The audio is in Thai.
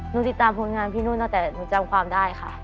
ติดตามผลงานพี่นุ่นตั้งแต่หนูจำความได้ค่ะ